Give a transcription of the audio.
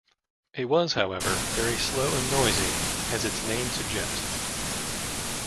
It was, however, very slow and noisy, as its name suggests.